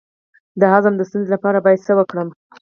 د هضم د ستونزې لپاره باید څه وکړم؟